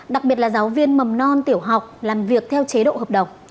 đặc biệt là giáo viên mầm non tiểu học làm việc theo chế độ hợp đồng